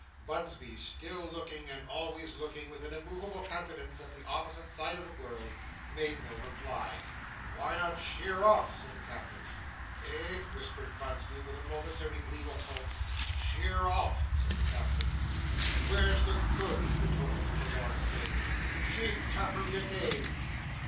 Bunsby, still looking, and always looking with an immovable countenance, at the opposite side of the world, made no reply. "Why not sheer off?" said the Captain. "Eh?" whispered Bunsby, with a momentary gleam of hope. "Sheer off," said the Captain. "Where's the good?" retorted the forlorn sage. "She'd capter me agen."